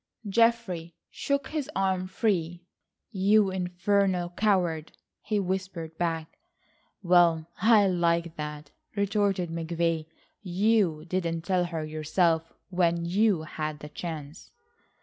Geoffrey shook his arm free. "You infernal coward," he whispered back. "Well, I like that," retorted McVay, "you didn't tell her yourself when you had the chance."